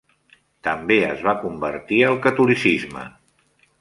També es va convertir al catolicisme.